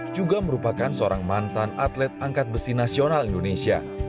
juga merupakan seorang mantan atlet angkat besi nasional indonesia